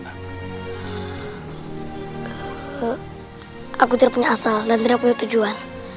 aku tidak punya asal dan tidak punya tujuan